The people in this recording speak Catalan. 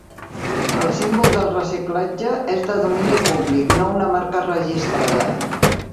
El símbol del reciclatge és de domini públic, no una marca registrada.